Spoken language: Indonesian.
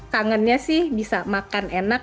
kangennya sih bisa makan enak